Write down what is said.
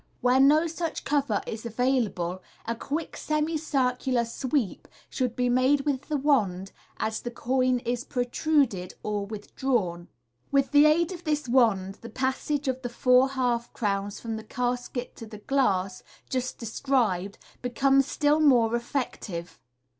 Where no such cover is available, a quick semi circular sweep should be made with the wand as the coin is protruded or withdrawn. With the aid of this wand the passage of the four half crowns from the casket to the glass, just described, becomes still more effective.